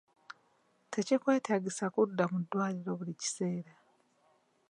Tekikwetaagisa kudda mu ddwaliro buli kiseera.